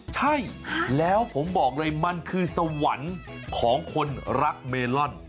ใช่แล้วผมบอกเลยมันคือสวรรค์ของคนรักเมลอน